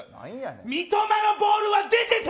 三笘のボールは出てた！